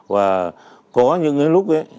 và có những lúc